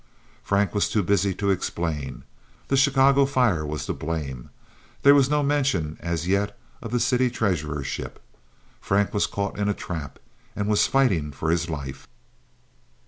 Frank was too busy to explain. The Chicago fire was to blame. There was no mention as yet of the city treasurership. Frank was caught in a trap, and was fighting for his life.